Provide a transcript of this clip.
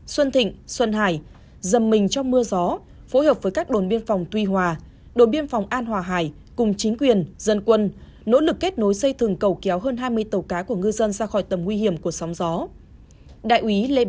xuân thịnh xuân hải dầm mình trong mưa gió phối hợp với các đồn biên phòng tuy hòa đồn biên phòng an hòa hải cùng chính quyền dân quân nỗ lực kết nối xây thường cầu kéo hơn hai mươi tàu cá của ngư dân ra khỏi tầm nguy hiểm của sóng gió